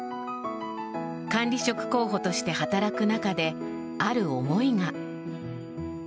管理職候補として働く中である思いが。